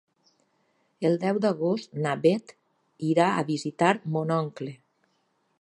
El deu d'agost na Bet irà a visitar mon oncle.